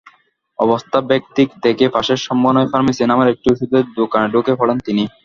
অবস্থা বেগতিক দেখে পাশের সমন্বয় ফার্মেসি নামের একটি ওষুধের দোকানে ঢুকে পড়েন তিনি।